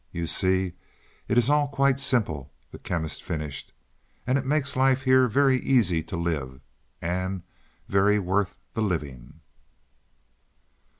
You see it is all quite simple," the Chemist finished. "And it makes life here very easy to live, and very worth the living."